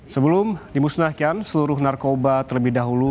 sebelum dimusnahkan seluruh narkoba terlebih dahulu